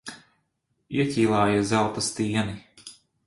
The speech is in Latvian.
Ieķīlāja zelta stieni.